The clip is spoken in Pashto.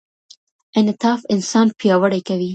انعطاف انسان پیاوړی کوي.